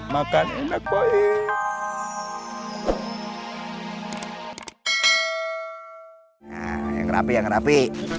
makan enak poin yang rapi yang rapi